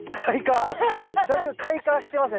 確かに開花してますね